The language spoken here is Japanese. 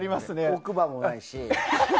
奥歯もないし。